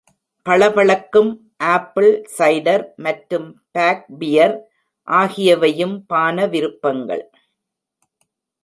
பளபளக்கும் apple cider மற்றும் bock beer ஆகியவையும் பான விருப்பங்கள்.